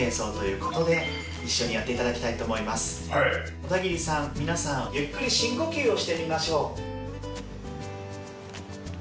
小田切さん皆さんゆっくり深呼吸をしてみましょう。